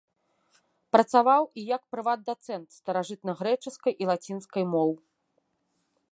Працаваў і як прыват-дацэнт старажытнагрэчаскай і лацінскай моў.